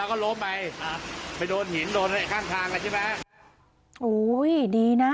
โอ้ยดีนะ